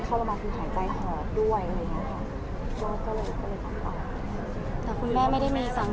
คุณแม่มีใจสู้มาตลอดในระยะเวลาที่สั่งศักดิ์